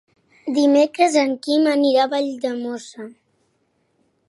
Dimecres en Quim anirà a Valldemossa.